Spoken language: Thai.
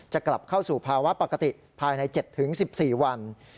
จะกลับเข้าสู่ภาวะปกติภายใน๗๑๔วัน